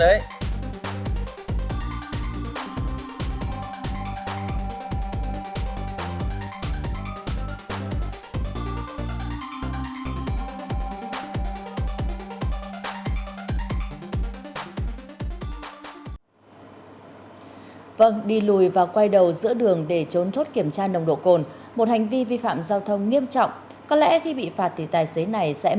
thế nhưng với hành vi đi lùi và quay đầu giữa đường để trốn thốt kiểm tra nông độ cồn một hành vi vi phạm giao thông nghiêm trọng